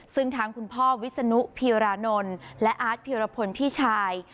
ซึ่งทั้งคุณพ่อวิศนุพีรานนท์และอาร์ตพีรพลพี่ชาย